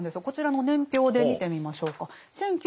こちらの年表で見てみましょうか。